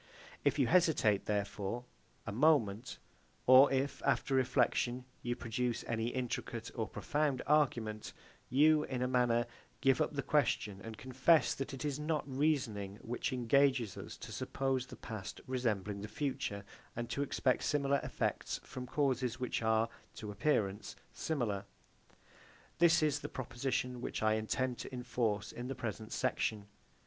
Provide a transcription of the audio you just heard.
If you hesitate, therefore, a moment, or if, after reflection, you produce any intricate or profound argument, you, in a manner, give up the question, and confess that it is not reasoning which engages us to suppose the past resembling the future, and to expect similar effects from causes which are, to appearance, similar. This is the proposition which I intended to enforce in the present section.